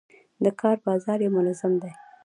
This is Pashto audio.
د کار بازار یې منظم دی.